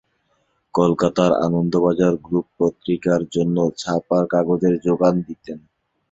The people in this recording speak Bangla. কলকাতার আনন্দবাজার গ্রুপ পত্রিকার জন্য ছাপার কাগজের যোগান দিতেন।